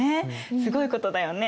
すごいことだよね。